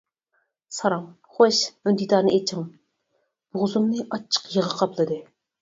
-ساراڭ، خوش، ئۈندىدارنى ئېچىڭ-بوغۇزۇمنى ئاچچىق يىغا قاپلىدى.